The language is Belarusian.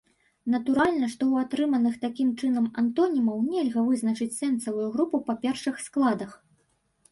Натуральна, што ў атрыманых такім чынам антонімаў нельга вызначыць сэнсавую групу па першых складах.